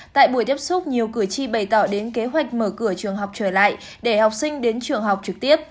tại buổi tiếp xúc nhiều cử tri bày tỏ đến kế hoạch mở cửa trường học trở lại để học sinh đến trường học trực tiếp